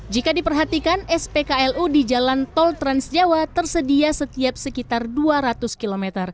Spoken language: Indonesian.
jika diperhatikan spklu di jalan tol transjawa tersedia setiap sekitar dua ratus km